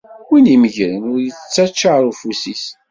Win imeggren ur d-ittaččar afus-is.